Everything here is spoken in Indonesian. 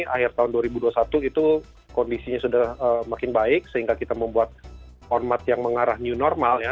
akhir tahun dua ribu dua puluh satu itu kondisinya sudah makin baik sehingga kita membuat format yang mengarah new normal ya